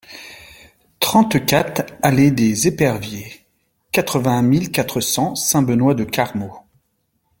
trente-quatre allée des Eperviers, quatre-vingt-un mille quatre cents Saint-Benoît-de-Carmaux